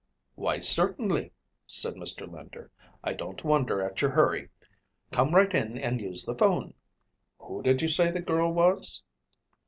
"Why, certainly," said Mr. Linder, "I don't wonder at your hurry. Come right in and use the phone. Who did you say the girl was?"